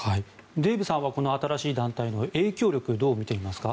デーブさんはこの新しい団体の影響力どう見ていますか？